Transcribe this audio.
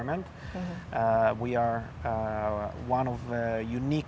kami adalah sebuah resort yang unik